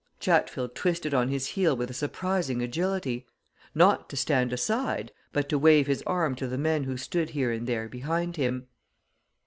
Chatfield twisted on his heel with a surprising agility not to stand aside, but to wave his arm to the men who stood here and there, behind him.